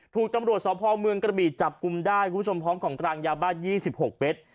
ถูกตำรวจสอบพ่อเมืองกระบี่จับกลุ้มได้คุณผู้ชมพร้อมของกลางยาบ้านยี่สิบหกเบ็ด